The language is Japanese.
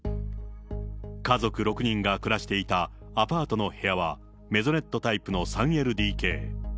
家族６人が暮らしていたアパートの部屋は、メゾネットタイプの３ＬＤＫ。